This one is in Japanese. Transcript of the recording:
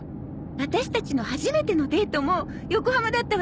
ワタシたちの初めてのデートも横浜だったわよね。